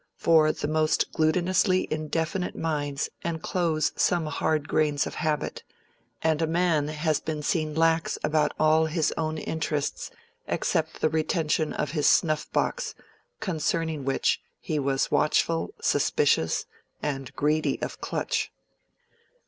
For the most glutinously indefinite minds enclose some hard grains of habit; and a man has been seen lax about all his own interests except the retention of his snuff box, concerning which he was watchful, suspicious, and greedy of clutch.